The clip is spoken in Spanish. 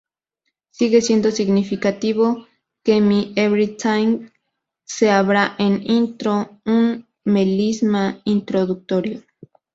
Sigue siendo significativo que My Everything se abra en intro, un melisma introductorio"".